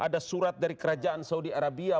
ada surat dari kerajaan saudi arabia